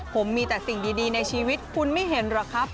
ผมมีแต่สิ่งดีในชีวิตคุณไม่เห็นหรอกครับ